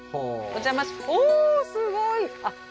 おおすごい！